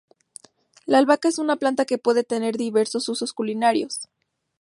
La albahaca es una planta que puede tener diversos usos culinarios